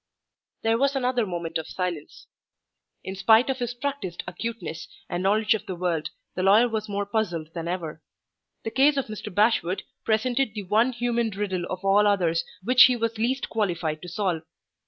There was another moment of silence. In spite of his practiced acuteness and knowledge of the world, the lawyer was more puzzled than ever. The case of Mr. Bashwood presented the one human riddle of all others which he was least qualified to solve.